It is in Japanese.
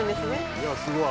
いやすごい。